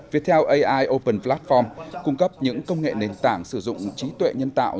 viettel ai open platform cung cấp những công nghệ nền tảng sử dụng trí tuệ nhân tạo